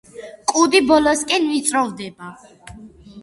კუდი ბოლოსკენ ვიწროვდება.